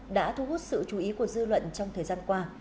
đã thu hút sự chú ý của dư luận trong thời gian qua